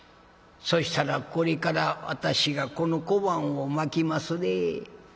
そしたらこれから私がこの小判をまきますね。